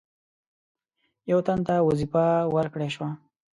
یو تن ته وظیفه ورکړه شوه.